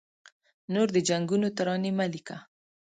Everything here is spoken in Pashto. نور د جنګونو ترانې مه لیکه